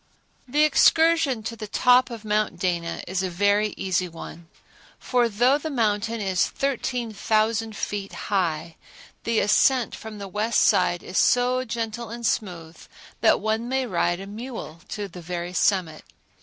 The excursion to the top of Mount Dana is a very easy one; for though the mountain is 13,000 feet high, the ascent from the west side is so gentle and smooth that one may ride a mule to the very summit.